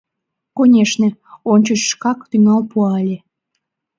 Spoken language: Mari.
Конешне, ончыч шкак тӱҥал пуа ыле.